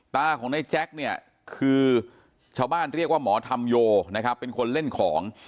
ตาของในแจ็คเนี่ยคือชาวบ้านเรียกว่าหมอธรรมโยนะครับเป็นคนเล่นของ